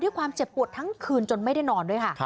ความเจ็บปวดทั้งคืนจนไม่ได้นอนด้วยค่ะ